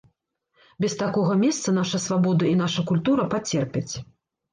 Без такога месца наша свабода і наша культура пацерпяць.